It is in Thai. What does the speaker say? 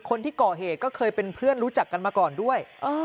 คนที่ก่อเหตุก็เคยเป็นเพื่อนรู้จักกันมาก่อนด้วย